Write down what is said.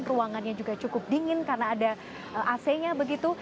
ruangannya juga cukup dingin karena ada ac nya begitu